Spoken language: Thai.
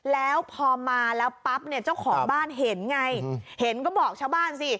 แล้วพอมาแล้วปั๊บเนี่ยเจ้าของบ้านเห็นไงเห็นก็บอกชาวบ้านสิ